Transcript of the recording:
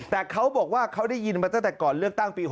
แต่เขาบอกว่าเขาได้ยินมาตั้งแต่ก่อนเลือกตั้งปี๖๐